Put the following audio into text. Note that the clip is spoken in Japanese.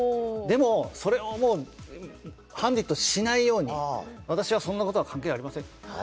でもそれをもうハンディとしないように私はそんなことは関係ありません。